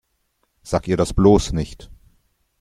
Sag ihr das bloß nicht!